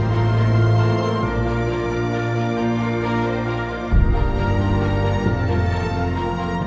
สวัสดีครับ